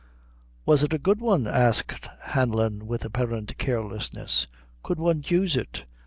"Was it a good one?" asked Hanlon, with apparent carelessness, "could one use it?"